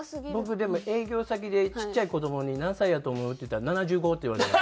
僕でも営業先でちっちゃい子どもに「何歳やと思う？」って言ったら「７５」って言われて。